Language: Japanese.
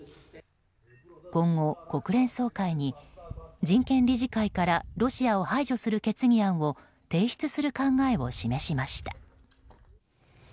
今後、国連総会に人権理事会からロシアを排除する決議案を提出する考えを示しました。